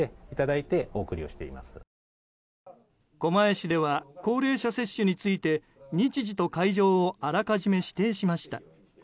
狛江市では高齢者接種について日時と会場をあらかじめ指定しました。